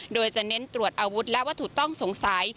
โดยจะเน้นตรวจอาวุธและวัตถุต้องสงสัย